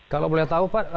kalau boleh tahu pak